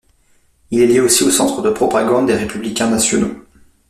Il est lié aussi au Centre de propagande des républicains nationaux.